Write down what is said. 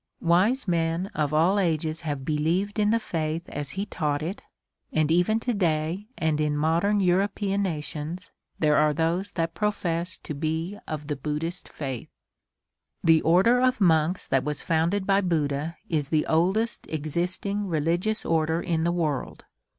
Wise men of all ages have believed in the faith as he taught it, and even to day and in modern European nations there are those that profess to be of the Buddhist faith. The order of monks that was founded by Buddha is the oldest existing religious order in the world.